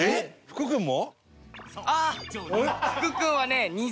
福君はね